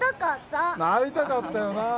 なぁ会いたかったよな。